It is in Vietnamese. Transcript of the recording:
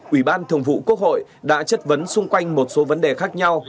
ủy ban thường vụ quốc hội đã chất vấn xung quanh một số vấn đề khác nhau